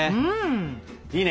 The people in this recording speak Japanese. いいね！